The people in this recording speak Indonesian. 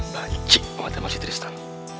bancik banget sama si tristan